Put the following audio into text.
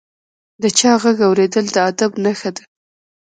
د چا ږغ اورېدل د ادب نښه ده.